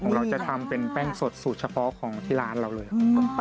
เราจะทำเป็นแป้งสดสูตรเฉพาะของที่ร้านเราเลย